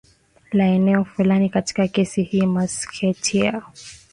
la eneo fulani katika kesi hii Meskhetia